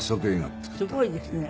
すごいですね。